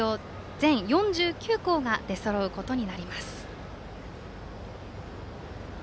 全４９校が出そろうことになります。